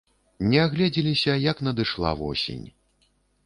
Не агледзеліся, як надышла восень.